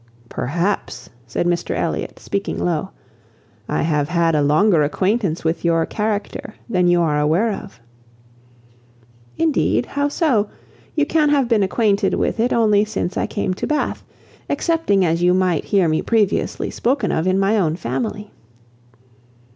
"Perhaps," said Mr Elliot, speaking low, "I have had a longer acquaintance with your character than you are aware of." "Indeed! How so? You can have been acquainted with it only since I came to Bath, excepting as you might hear me previously spoken of in my own family."